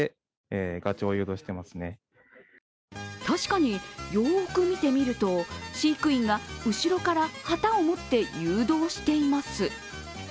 確かによく見てみると、飼育員が後ろから旗を持って誘導しています。